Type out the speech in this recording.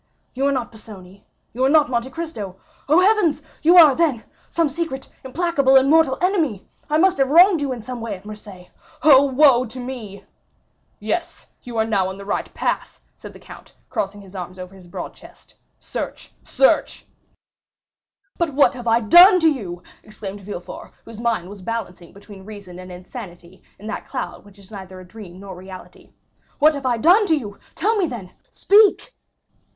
"You are not Busoni?—you are not Monte Cristo? Oh, heavens! you are, then, some secret, implacable, and mortal enemy! I must have wronged you in some way at Marseilles. Oh, woe to me!" "Yes; you are now on the right path," said the count, crossing his arms over his broad chest; "search—search!" "But what have I done to you?" exclaimed Villefort, whose mind was balancing between reason and insanity, in that cloud which is neither a dream nor reality; "what have I done to you? Tell me, then! Speak!"